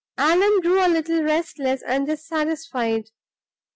Allan grew a little restless and dissatisfied.